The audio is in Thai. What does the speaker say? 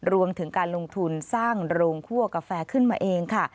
รวมถึงการลงทุนสร้างโรงคั่วกาแฟขึ้นมาเองค่ะ